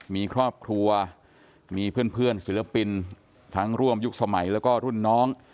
มีครอบครัวมีเพื่อนศิลปินทั้งร่วมยุคสมัยแล้วก็รุ่นน้อง